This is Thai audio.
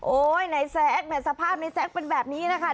โอ๊ยนายแซ็กสภาพนายแซ็กเป็นแบบนี้นะคะ